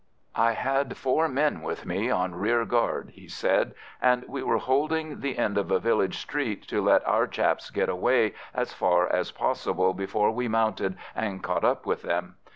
"I had four men with me on rear guard," he said, "and we were holding the end of a village street to let our chaps get away as far as possible before we mounted and caught up with them.